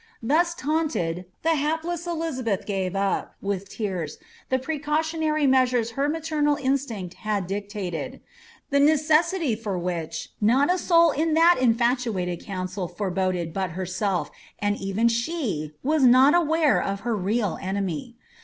Thus taunted, the hapless Elizabeth gave up, with tears, the precau tionary measures her maternal instinct had dictated ; the necessity for which, not a soul in that infotuated council foreboded but herself, and even she was not aware of her real enemy.